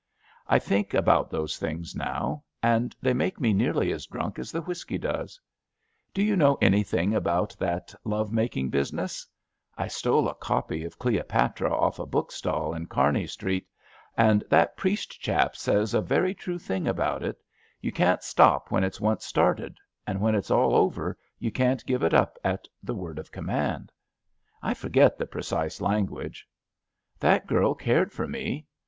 I think about those things now, and they make me nearly as drunk as the whisky does. Do you know anything about that love making business? I stole a copy of Cleopatra off a book stall in Kearney Street, and that priest chap says HEE LITTLE EESPONSIBILITY 17 a very tn;ie thing about it. You can't stop when it's once started, and when it's all over you can't give it up at the word of command. I forget the precise language. That girl cared for me.